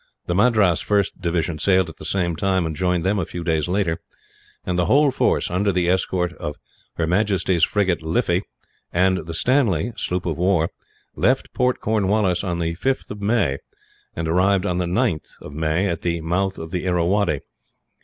The Madras first division sailed at the same time, and joined them a few days later; and the whole force, under the escort of H. M. frigate Liffey and the Slaney, sloop of war, left Port Cornwallis on the 5th of May, and arrived on the 9th at the mouth of the Irrawaddy.